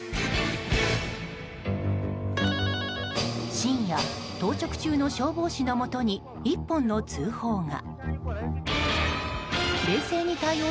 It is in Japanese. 深夜、当直中の消防士のもとに１本の通報が。